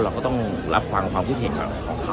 เราก็ต้องรับความคิดเห็นของเขายอมรับในความคิดเห็นของเขา